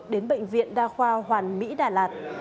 đến bệnh viện đa khoa hoàn mỹ đà lạt